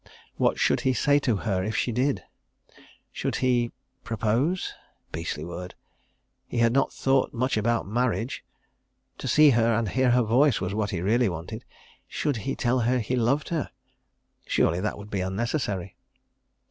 What should he say to her if she did? ... Should he "propose"—(beastly word)? He had not thought much about marriage. ... To see her and hear her voice was what he really wanted. Should he tell her he loved her? ... Surely that would be unnecessary.